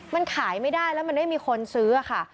มันขายไม่ได้แล้วมันไม่มีคนซื้อค่ะ